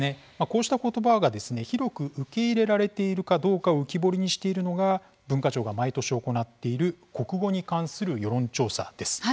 こうした言葉がですね広く受け入れられているかどうかを浮き彫りにしているのが文化庁が毎年行っている国語に関する世論調査です。